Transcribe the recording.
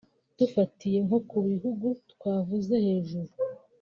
Dufatiye nko ku bihugu twavuze hejuru